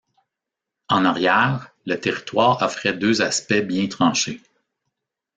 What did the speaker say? En arrière, le territoire offrait deux aspects bien tranchés.